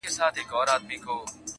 د مکار دښمن په کور کي به غوغا سي!!